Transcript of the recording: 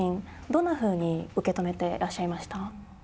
どんなふうに受け止めていらっしゃいました？